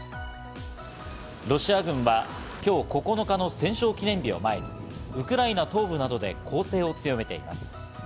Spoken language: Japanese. ロシア軍は今日９日の戦勝記念日を前にウクライナ東部などで攻勢を強めています。